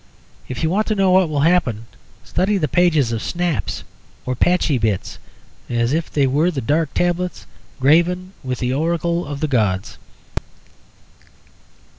If you want to know what will happen, study the pages of Snaps or Patchy Bits as if they were the dark tablets graven with the oracles of the gods.